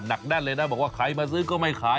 แน่นเลยนะบอกว่าใครมาซื้อก็ไม่ขาย